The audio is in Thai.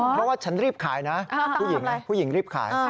เพราะว่าฉันรีบขายนะผู้หญิงรีบขาย